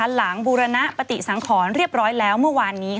บูรณปฏิสังขรเรียบร้อยแล้วเมื่อวานนี้